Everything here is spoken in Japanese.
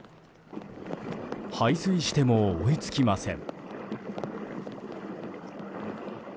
排水しても追いつきません。